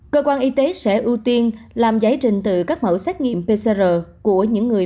cơ quan y tế sẽ ưu tiên làm giải trình từ các mẫu xét nghiệm pcr của những người